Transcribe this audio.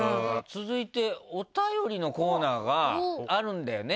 続いてお便りのコーナーがあるんだよね